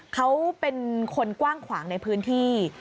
เขาเป็นคนกว้างขวางในพื้นที่